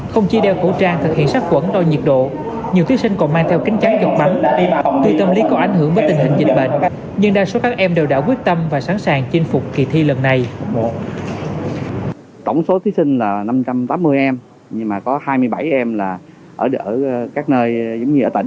không chỉ đeo khẩu trang thực hiện sát quẩn đo nhiệt độ nhiều thí sinh còn mang theo cánh trắng giọt bắn